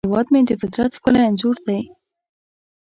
هیواد مې د فطرت ښکلی انځور دی